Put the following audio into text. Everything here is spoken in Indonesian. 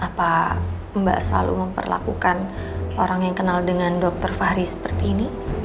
apa mbak selalu memperlakukan orang yang kenal dengan dokter fahri seperti ini